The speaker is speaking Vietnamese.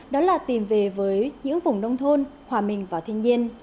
đó là tìm về với những vùng nông thôn hòa bình và thiên nhiên